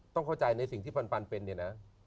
ต้องเข้าใจในสิ่งที่ปันเป็นเนี่ยนะ